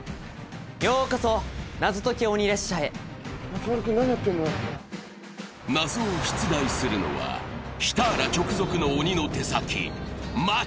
ようこそ松丸君何やってんの謎を出題するのはシターラ直属の鬼の手先